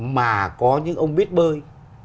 mà có những ông biết bơi